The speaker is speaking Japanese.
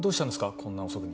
こんな遅くに。